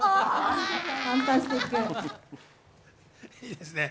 いいですね。